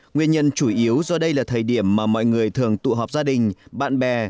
nguyên nhân chủ yếu do đây là thời điểm mà mọi người thường tụ họp gia đình bạn bè